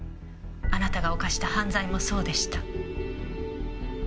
あなたが犯した犯罪もそうでした。